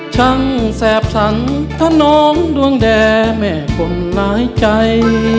ช่างแซบสั่งท่านน้องดวงแด่แม่คนลายใจ